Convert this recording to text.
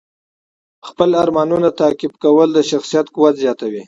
خپل ارمانونه تعقیب کول د شخصیت قوت زیاتوي.